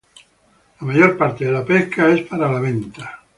La mayor parte de la pesca es para la venta.